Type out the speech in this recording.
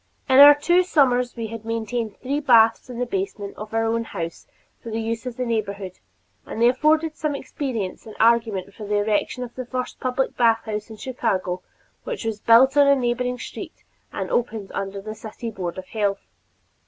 In our first two summers we had maintained three baths in the basement of our own house for the use of the neighborhood, and they afforded some experience and argument for the erection of the first public bathhouse in Chicago, which was built on a neighboring street and opened under the city Board of Health.